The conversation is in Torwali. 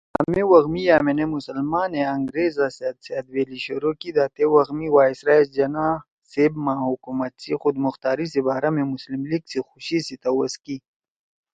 کامے وَخ می یامینے مسلمانے انگریزا سیت سأدویلی شروع کی دا تے وخ می وائسرائے جناح صیب ما حکومت سی خودمختاری سی بارا می مسلم لیگ سی خوشِی سی توَس کی